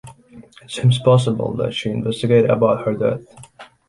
It seems possible that she investigated about her death.